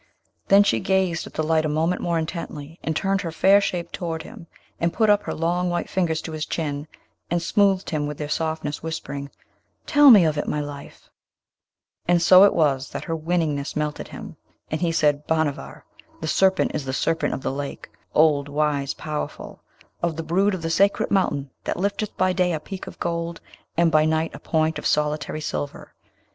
Then she gazed at the light a moment more intently, and turned her fair shape toward him, and put up her long white fingers to his chin, and smoothed him with their softness, whispering, 'Tell me of it, my life!' And so it was that her winningness melted him, and he said, 'Bhanavar! the serpent is the Serpent of the Lake; old, wise, powerful; of the brood of the sacred mountain, that lifteth by day a peak of gold, and by night a point of solitary silver.